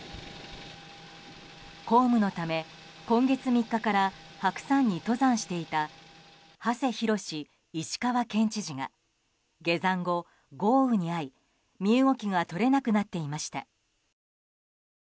公務のため、今月３日から白山に登山していた馳浩石川県知事が下山後、豪雨に遭い身動きが取れなくなっていました。